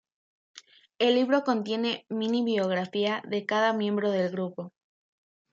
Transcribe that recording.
El libro contiene mini-briografía de cada miembro del grupo.